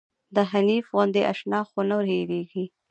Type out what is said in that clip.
د حنيف غوندې اشنا خو نه هيريږي